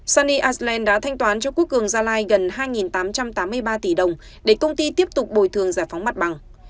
suny iceland đã thanh toán cho quốc cường gia lai gần hai tám trăm tám mươi ba tỷ đồng để công ty tiếp tục bồi thường giải phóng mặt bằng